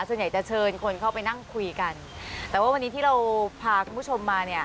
ส่วนใหญ่จะเชิญคนเข้าไปนั่งคุยกันแต่ว่าวันนี้ที่เราพาคุณผู้ชมมาเนี่ย